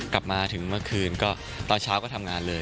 กลับมาถึงเมื่อคืนก็ตอนเช้าก็ทำงานเลย